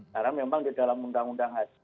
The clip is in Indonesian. karena memang di dalam undang undang haji